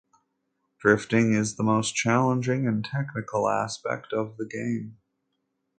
Drifting is the most challenging and technical aspect of the game.